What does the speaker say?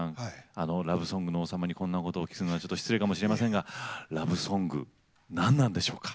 あのラブソングの王様にこんなことをお聞きするのはちょっと失礼かもしれませんがラブソング何なんでしょうか？